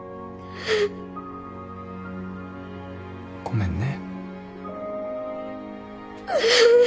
ごめんね。